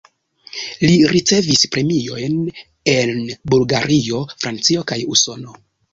Li ricevis premiojn en Bulgario, Francio kaj Usono.